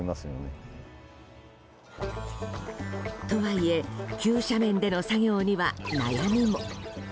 とはいえ急斜面での作業には悩みも。